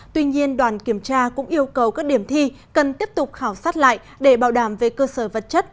tuy nhiên đoàn kiểm tra cũng yêu cầu các điểm thi cần tiếp tục khảo sát lại để bảo đảm về cơ sở vật chất